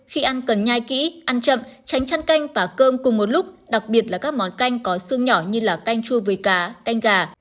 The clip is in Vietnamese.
khi ăn cần nhai kỹ ăn chậm tránh chăn canh và cơm cùng một lúc đặc biệt là các món canh có xương nhỏ như là canh chua với cá canh gà